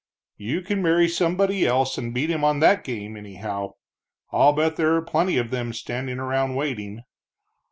"You can marry somebody else and beat him on that game, anyhow. I'll bet there are plenty of them standing around waiting."